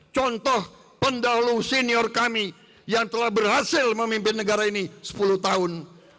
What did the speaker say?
contoh pendahulu senior kami yang telah berhasil memimpin negara ini sepuluh tahun